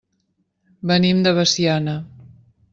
Venim de Veciana.